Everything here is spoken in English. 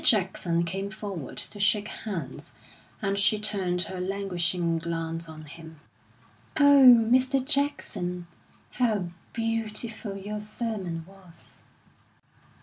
Jackson came forward to shake hands, and she turned her languishing glance on him. "Oh, Mr. Jackson, how beautiful your sermon was!"